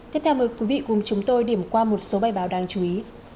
tiếp theo mời quý vị cùng chúng tôi điểm qua một số bài báo đáng chú ý